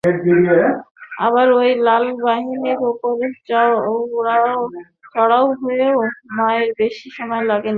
আবার এই লাল বাহিনীর ওপর চড়াও হতেও মাওয়ের বেশি সময় লাগেনি।